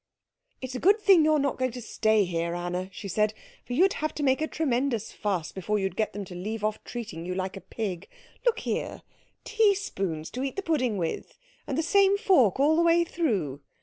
"It's a good thing you are not going to stay here, Anna," she said, "for you'd have to make a tremendous fuss before you'd get them to leave off treating you like a pig. Look here teaspoons to eat the pudding with, and the same fork all the way through.